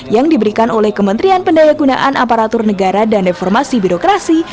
yang diberikan oleh kementerian pendaya gunaan aparatur negara dan reformasi birokrasi